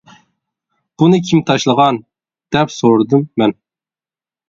بۇنى كىم تاشلىغان؟ -دەپ سورىدىم مەن.